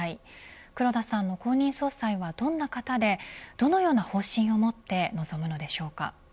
黒田さんの後任総裁をどんな形でどのような方針を持って臨むのでしょうか。